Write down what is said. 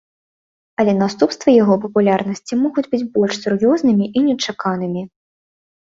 Але наступствы яго папулярнасці могуць быць больш сур'ёзнымі і нечаканымі.